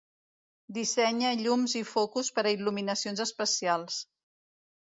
Dissenya llums i focus per a il·luminacions especials.